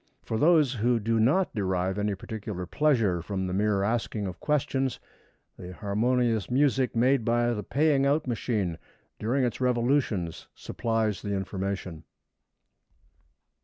For those who do not derive any particular pleasure from the mere asking of questions, the harmonious music made by the paying out machine during its revolutions supplies the information.